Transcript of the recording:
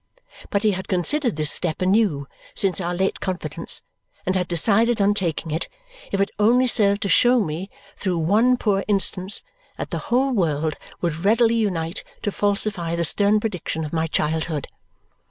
But he had considered this step anew since our late confidence and had decided on taking it, if it only served to show me through one poor instance that the whole world would readily unite to falsify the stern prediction of my childhood.